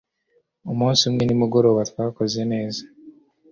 Umunsi umwe nimugoroba twakoze neza